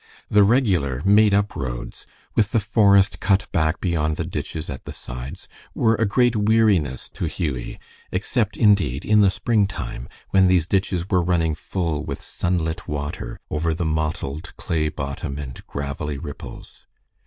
The regular made up roads, with the forest cut back beyond the ditches at the sides, were a great weariness to Hughie, except indeed, in the springtime, when these ditches were running full with sun lit water, over the mottled clay bottom and gravelly ripples.